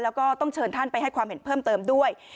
แล้วก็ต้องเชิญท่านไปให้ความเห็นเพิ่มเติมด้วย